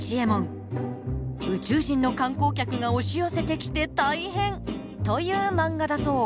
宇宙人の観光客が押し寄せてきて大変！という漫画だそう。